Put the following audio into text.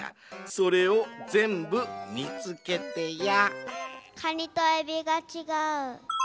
それをぜんぶみつけてや。